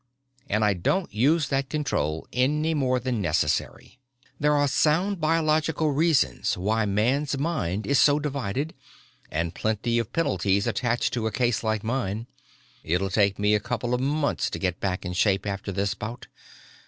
And I don't use that control any more than necessary. "There are sound biological reasons why man's mind is so divided and plenty of penalties attached to a case like mine. It'll take me a couple of months to get back in shape after this bout.